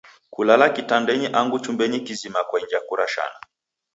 Kulala kitandenyi angu chumbenyi kizima kwainja kurashana.